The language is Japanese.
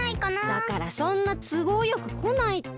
だからそんなつごうよくこないって。